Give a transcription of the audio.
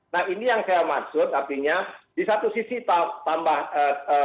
nah ini yang saya maksud artinya di satu sisi tambahan